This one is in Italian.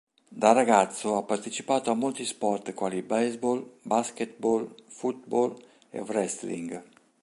Da ragazzo ha partecipato a molti sport quali baseball, basketball, football e wrestling.